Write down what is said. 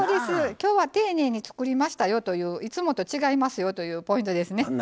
きょうは丁寧に作りましたよといういつもと違いますよというポイントです。